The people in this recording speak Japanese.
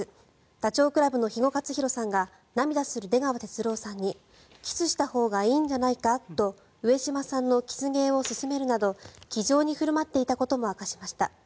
ダチョウ倶楽部の肥後克広さんが涙する出川哲朗さんにキスしたほうがいいんじゃないかと上島さんのキス芸を勧めるなど気丈に振る舞っていたことも明かしました。